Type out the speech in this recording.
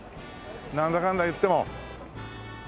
なんだかんだいっても。